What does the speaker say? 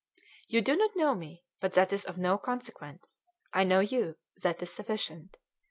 You do not know me, but that is of no consequence. I know you: that is sufficient.